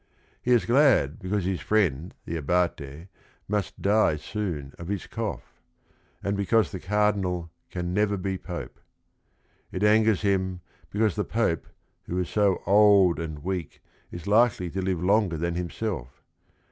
He is glad because his friend the Abate must die soon of his cough — and because the Cardinal can never be Pope. It angers him because the Pope who is so old and weak is likely to live longer than himself.